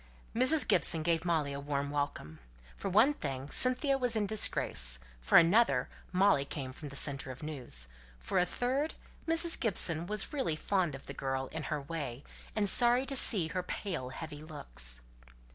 Mrs. Gibson gave Molly a warm welcome. For one thing, Cynthia was in disgrace; for another, Molly came from the centre of news; for a third, Mrs. Gibson was really fond of the girl, in her way, and sorry to see her pale heavy looks.